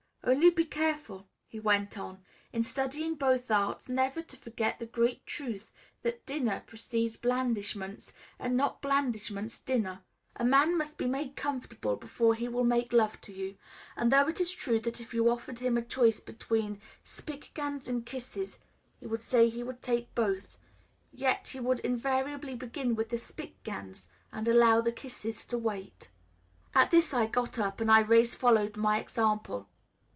"Only be careful," he went on, "in studying both arts, never to forget the great truth that dinner precedes blandishments and not blandishments dinner. A man must be made comfortable before he will make love to you; and though it is true that if you offered him a choice between Spickgans and kisses, he would say he would take both, yet he would invariably begin with the Spickgans, and allow the kisses to wait." At this I got up, and Irais followed my example.